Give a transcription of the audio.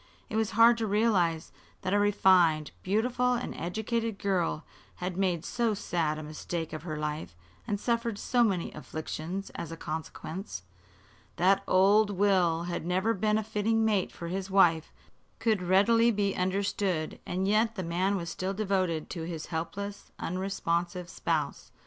It was hard to realize that a refined, beautiful and educated girl had made so sad a mistake of her life and suffered so many afflictions as a consequence. That old Will had never been a fitting mate for his wife could readily be understood, and yet the man was still devoted to his helpless, unresponsive spouse.